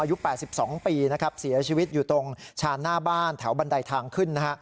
อายุ๘๒ปีนะครับเสียชีวิตอยู่ตรงชานหน้าบ้านแถวบันไดทางขึ้นนะฮะ